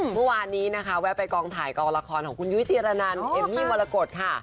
เมื่อวานนี้นะคะแวะไปกองถ่ายกองละครของคุณยุ้ยจีรนันเอมมี่มรกฏค่ะ